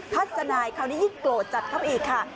ทนายคราวนี้ยิ่งโกรธจัดเข้าไปอีกค่ะ